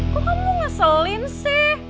kok kamu ngeselin sih